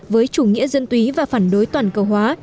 với chủ nghĩa dân túy và phản đối toàn cầu hóa